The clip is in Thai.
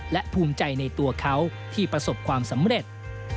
และภูมิใจในตัวเขาที่ประสบความสำเร็จ